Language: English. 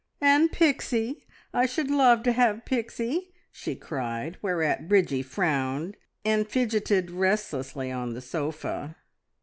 "And Pixie I should love to have Pixie!" she cried, whereat Bridgie frowned, and fidgeted restlessly on the sofa.